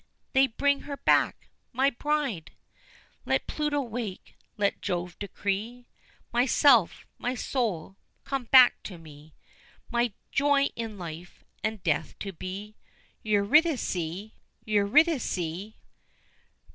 they bring her back! my bride! Let Pluto wake let Jove decree My self my soul come back to me My joy in life and death to be Eurydice! Eurydice!